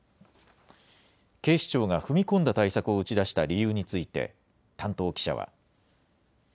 警視庁が踏み込んだ対策を打ち出した理由について、担当記者は。